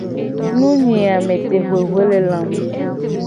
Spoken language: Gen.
Nunyiametehuehuelelame.